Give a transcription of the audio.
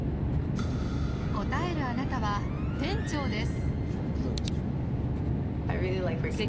答えるあなたは店長です。